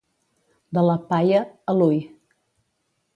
De la «paia» a l'«ui».